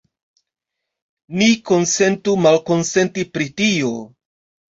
Ni konsentu malkonsenti pri tio.